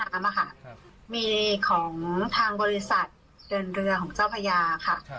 ตรงด้านน้ำมีของทางบริษัทเดินเรือของเจ้าพระยาครับ